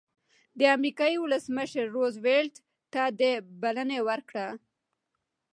د امریکې ولسمشر روز وېلټ ده ته بلنه ورکړه.